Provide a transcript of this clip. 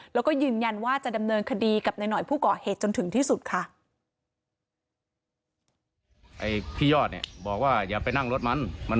แล้วก็ยืนยันว่าจะดำเนินคดีกับนายหน่อยผู้ก่อเหตุจนถึงที่สุดค่ะ